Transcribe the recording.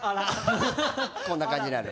こんな感じなの。